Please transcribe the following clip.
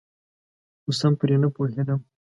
خو سم پرې نپوهیدم.